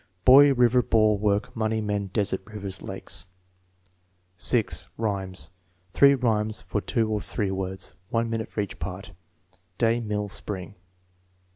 Boy, river, ball; work, money, men; desert, rivers, lakes. 6. Rhymes. (3 rhymes for two of three words. 1 minute for each part.) Day; mill; spring.